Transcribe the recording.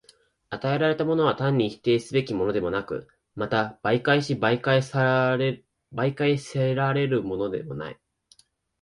与えられたものは単に否定すべきものでもなく、また媒介し媒介せられるものでもない。